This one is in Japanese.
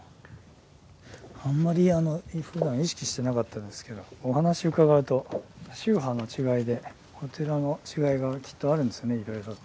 あんまりふだん意識してなかったんですけどお話伺うと宗派の違いでお寺の違いがきっとあるんですよねいろいろと。